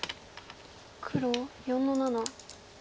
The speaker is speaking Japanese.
黒４の七。